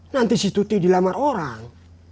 nanti si tuti dilamar orang